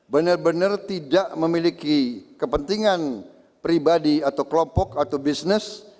benar benar tidak memiliki kepentingan pribadi atau kelompok atau bisnis